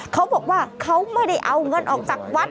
เขาบอกว่าเขาไม่ได้เอาเงินออกจากวัด